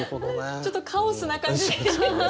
ちょっとカオスな感じに。